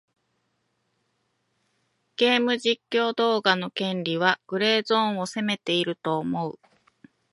ゲーム実況動画の権利はグレーゾーンを攻めていると思う。